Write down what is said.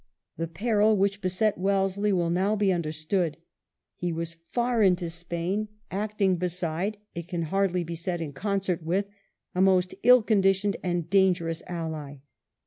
The peril which beset Wellesley will now be understood. He was far into Spain, acting beside, it can hardly be said in concert with, a most ill conditioned and dangerous ally.